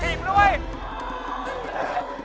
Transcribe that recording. เดี๋ยวเจ้าให้ต้องกิน